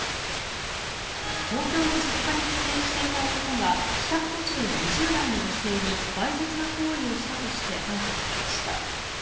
東京の実家に帰省していた男が帰宅途中の２０代の女性にわいせつな行為をしたとして逮捕されました。